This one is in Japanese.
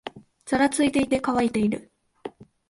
ざらついていて、乾いている